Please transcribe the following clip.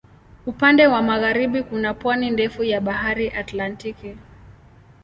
Upande wa magharibi kuna pwani ndefu ya Bahari Atlantiki.